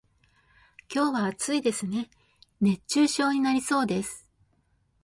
今日は暑いですね、熱中症になりそうです。